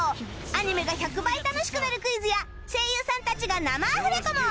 アニメが１００倍楽しくなるクイズや声優さんたちが生アフレコも